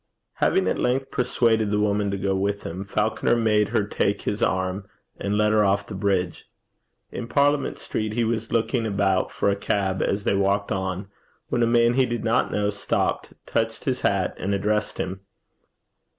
Having at length persuaded the woman to go with him, Falconer made her take his arm, and led her off the bridge. In Parliament Street he was looking about for a cab as they walked on, when a man he did not know, stopped, touched his hat, and addressed him.